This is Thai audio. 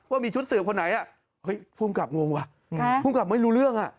ว่ามีชุดสืบคนไหนภูมิกับงงว่ะภูมิกับไม่รู้เรื่อง